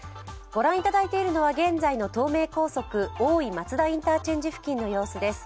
ご覧いただいているのは現在の東名高速・大井松田インターチェンジの様子です。